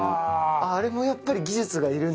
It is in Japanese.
あれもやっぱり技術がいるんですか。